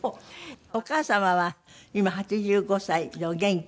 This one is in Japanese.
お母様は今８５歳でお元気？